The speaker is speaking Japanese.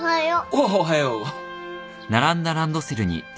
おっおはよう。